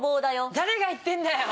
誰が言ってんだよ！